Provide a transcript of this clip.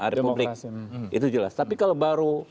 republik itu jelas tapi kalau baru